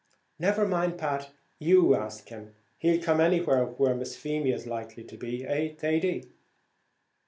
Never mind, Pat, you ask him; he'll come anywhere, where Miss Feemy is likely to be; eh, Thady?"